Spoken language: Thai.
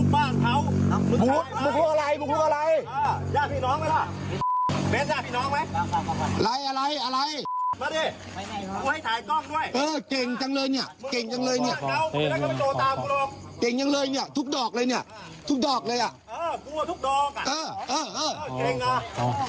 มึกรู้อะไร